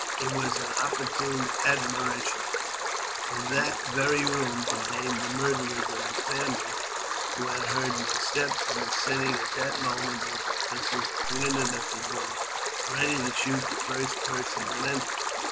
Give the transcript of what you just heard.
It was an opportune admonition, for that very room contained the murderers of the family, who had heard my steps, and were sitting at that moment with their pistols pointed to the door, ready to shoot the first person that entered.